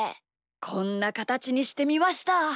こんなかたちにしてみました。